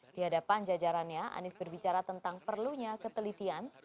di hadapan jajarannya anies berbicara tentang perlunya ketelitian